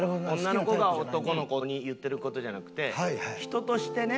女の子が男の子に言ってる事じゃなくて人としてね